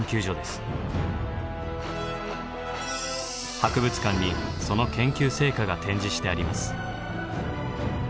博物館にその研究成果が展示してあります。